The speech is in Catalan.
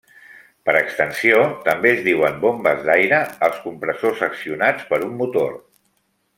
Per extensió, també es diuen bombes d'aire als compressors accionats per un motor.